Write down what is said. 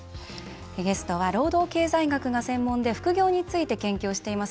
ゲストは労働経済学が専門で副業について研究をしています